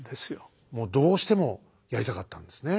もうどうしてもやりたかったんですね。